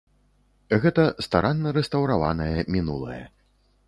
Гэта старанна рэстаўраванае мінулае.